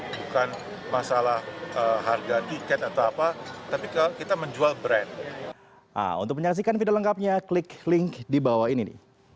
bukan masalah harga tiket atau apa tapi kita menjual brand